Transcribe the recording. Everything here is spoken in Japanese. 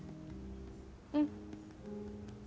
うん。